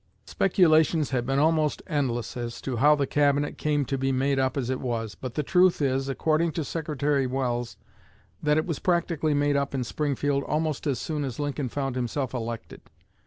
Speculations have been almost endless as to how the Cabinet came to be made up as it was. But the truth is, according to Secretary Welles, that it was practically made up in Springfield almost as soon as Lincoln found himself elected.